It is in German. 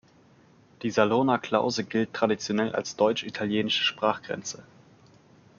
Die Salurner Klause gilt traditionell als deutsch-italienische Sprachgrenze.